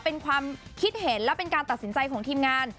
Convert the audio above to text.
เป็นความคิดเห็นและเป็นการตัดสินใจของทีมงาน